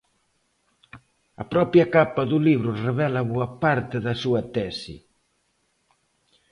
A propia capa do libro revela boa parte da súa tese.